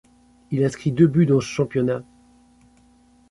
Il inscrit deux buts dans ce championnat.